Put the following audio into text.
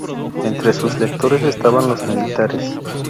Entre sus lectores estaban los militares.